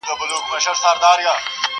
ولاړم د جادو له ښاره نه سپینیږي زړه ورته!.